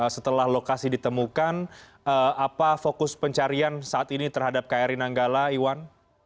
setelah lokasi ditemukan apa fokus pencarian saat ini terhadap kri nanggala iwan